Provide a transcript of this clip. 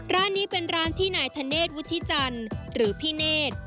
ร้านนี้เป็นร้านที่นายธเนธวุฒิจันทร์หรือพี่เนธ